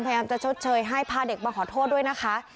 พยายามจะชดเชยให้พาเด็กมาขอโทษด้วยนะคะ